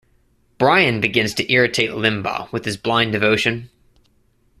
Brian begins to irritate Limbaugh with his blind devotion.